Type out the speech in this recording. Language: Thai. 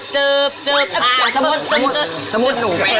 ตังที